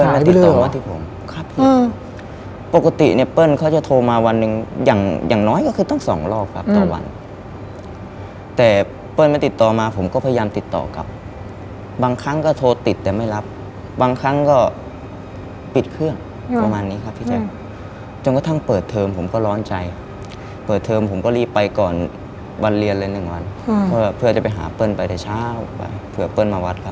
หาให้ไปเรื่องหรอบ๊วยบ๊วยบ๊วยพี่แจ้งพี่แจ้งหาให้ไปเรื่องหรอพี่แจ้งหาให้ไปเรื่องหรอพี่แจ้งหาให้ไปเรื่องหรอพี่แจ้งหาให้ไปเรื่องหรอพี่แจ้งหาให้ไปเรื่องหรอพี่แจ้งหาให้ไปเรื่องหรอพี่แจ้งหาให้ไปเรื่องหรอพี่แจ้งหาให้ไปเรื่องหรอพี่แจ้งหาให้ไปเรื่องหรอพี่แจ้งหาให้